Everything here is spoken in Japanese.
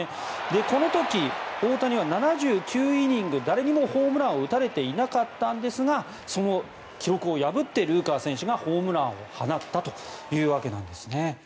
この時、大谷は７９イニング誰にもホームランを打たれていなかったんですがその記録を破ってルーカー選手がホームランを放ったというわけなんです。